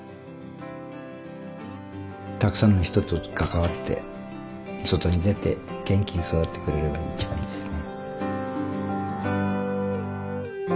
たくさんの人と関わって外に出て元気に育ってくれるのが一番いいですね。